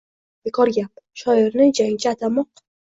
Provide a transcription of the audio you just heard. Bekor gap: shoirni jangchi atamoq